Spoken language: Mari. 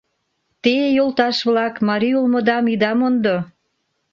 — Те, йолташ-влак, марий улмыдам ида мондо.